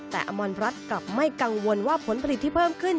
แต่อมรรัฐกลับไม่กังวลว่าผลผลิตที่เพิ่มขึ้น